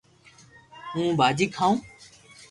ھون ڀاجي کاوُ